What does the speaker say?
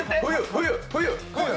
冬！